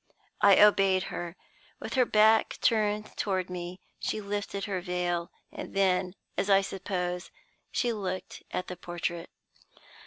I obeyed her. With her back turned toward me she lifted her veil; and then (as I suppose) she looked at the portrait.